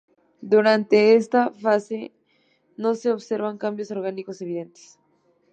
Durante esta fase no se observan cambios orgánicos evidentes.